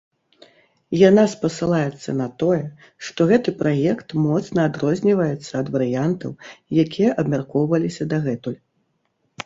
Яна спасылаецца на тое, што гэты праект моцна адрозніваецца ад варыянтаў, якія абмяркоўваліся дагэтуль.